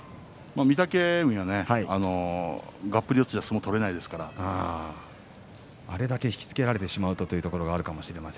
御嶽海はがっぷり四つでは相撲をあれだけ引き付けられてしまうとというところがあります